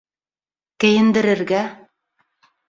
Кейендерергә.